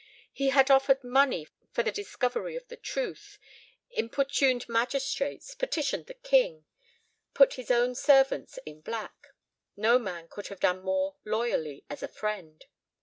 He had offered money for the discovery of the truth, importuned magistrates, petitioned the King, put his own servants in black. No man could have done more loyally as a friend.